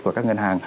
của các ngân hàng